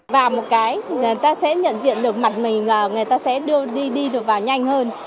và một cái người ta sẽ nhận diện được mặt mình người ta sẽ đi được vào nhanh hơn